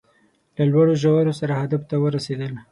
له لوړو ژورو سره هدف ته ورسېدل